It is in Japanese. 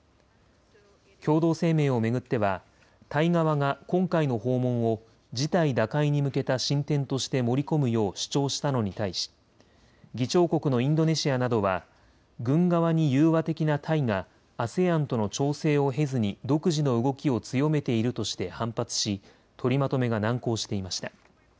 共同声明を巡ってはタイ側が今回の訪問を事態打開に向けた進展として盛り込むよう主張したのに対し議長国のインドネシアなどは軍側に融和的なタイがＡＳＥＡＮとの調整を経ずに独自の動きを強めているとして反発し取りまとめが難航していました。